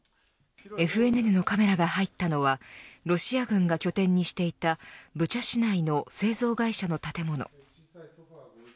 ＦＮＮのカメラが入ったのはロシア軍が拠点にしていたブチャ市内の製造会社の建物。